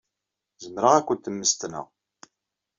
Zemreɣ ad kent-mmestneɣ.